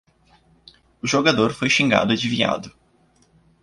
O jogador foi xingado de viado.